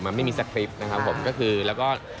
มันไม่มีสคริปต์นะครับผมก็คือแล้วก็